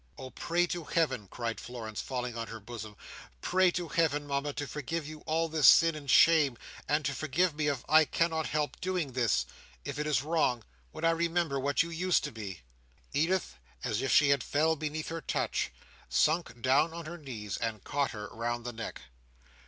Oh, pray to Heaven," cried Florence, falling on her bosom, "pray to Heaven, Mama, to forgive you all this sin and shame, and to forgive me if I cannot help doing this (if it is wrong), when I remember what you used to be!" Edith, as if she fell beneath her touch, sunk down on her knees, and caught her round the neck.